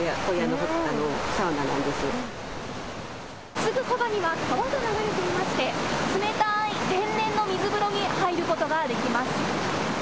すぐそばには川が流れていまして冷たい天然の水風呂に入ることができます。